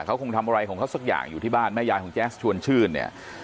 เขาคงทำอะไรของเขาสักอย่างอยู่ที่บ้านแม่ยายของแจ๊สชวนชื่นเนี่ย